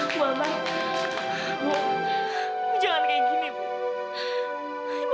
jangan kayak gini bu